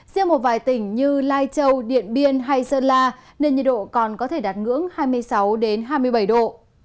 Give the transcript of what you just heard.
riêng một vài tỉnh như lai châu điện biên hay sơn la nên nhiệt độ còn có thể đạt ngưỡng hai mươi sáu hai mươi bảy độ